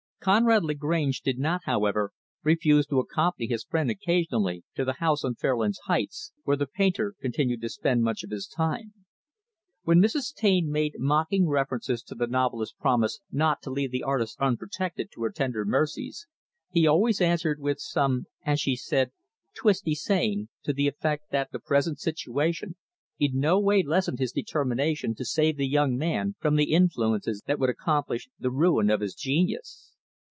Conrad Lagrange did not, however, refuse to accompany his friend, occasionally, to the house on Fairlands Heights; where the painter continued to spend much of his time. When Mrs. Taine made mocking references to the novelist's promise not to leave the artist unprotected to her tender mercies, he always answered with some as she said twisty saying; to the effect that the present situation in no way lessened his determination to save the young man from the influences that would accomplish the ruin of his genius.